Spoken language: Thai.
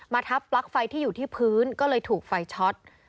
ทับปลั๊กไฟที่อยู่ที่พื้นก็เลยถูกไฟช็อต